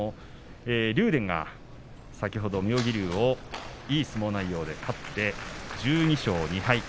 竜電が先ほど妙義龍にいい相撲で勝って１２勝２敗。